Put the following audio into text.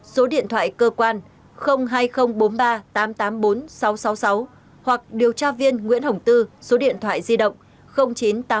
số điện thoại cơ quan hai nghìn bốn mươi ba tám trăm tám mươi bốn sáu trăm sáu mươi sáu hoặc điều tra viên nguyễn hồng tư số điện thoại di động chín trăm tám mươi bốn năm trăm bảy mươi hai hai trăm sáu mươi chín